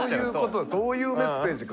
そういうメッセージか。